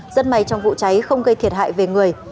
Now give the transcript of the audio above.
rất may trong vụ cháy không gây thiệt hại về người